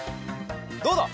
どうだ！？